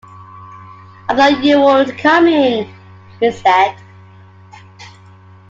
“I thought you weren’t coming,” he said.